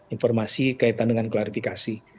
informasi kaitan dengan klarifikasi